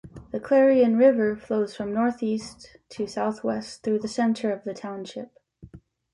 The Clarion River flows from northeast to southwest through the center of the township.